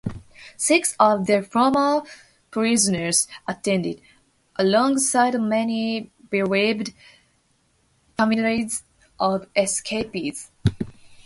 Six of the former prisoners attended, alongside many bereaved families of escapees.